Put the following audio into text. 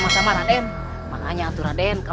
malah bagaimana bapak ibu dotan intoor traumat